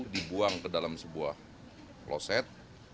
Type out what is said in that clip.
dibuang ke dalam sebuah kloset